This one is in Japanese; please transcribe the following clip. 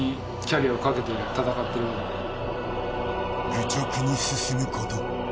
愚直に進むこと。